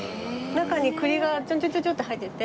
中に栗がちょんちょんちょんちょんって入ってて。